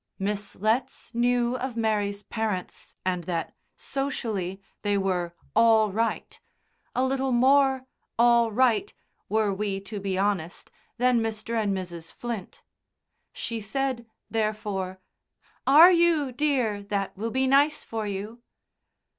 Miss Letts knew of Mary's parents, and that, socially, they were "all right" a little more "all right," were we to be honest, than Mr. and Mrs. Flint. She said, therefore: "Are you, dear? That will be nice for you."